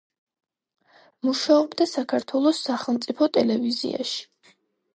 მუშაობდა საქართველოს სახელმწიფო ტელევიზიაში.